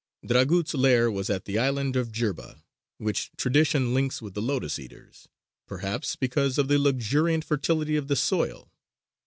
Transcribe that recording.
Dragut's lair was at the island of Jerba, which tradition links with the lotus eaters, perhaps because of the luxuriant fertility of the soil.